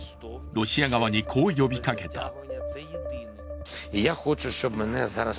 ロシア側に、こう呼びかけた。